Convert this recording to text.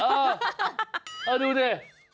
เออดูดิ